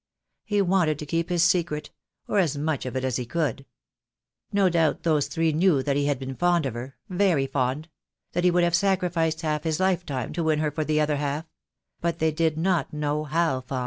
He wanted to keep his secret, or as much of it as he could. No doubt those three knew that he had been fond of her, very fond; that he would have sacrificed half his lifetime to win her for the other half; but they did not know how fond.